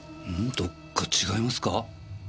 どっか違いますか？